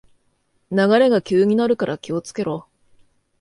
流れが急になるから気をつけろ